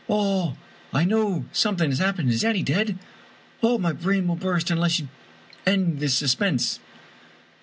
I know something has happened. Is Annie dead ? Oh, my brain will burst unless you end this suspense